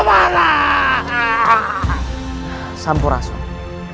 berasku mana berasku mana